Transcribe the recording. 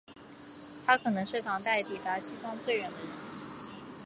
他可能是唐朝抵达西方最远的人。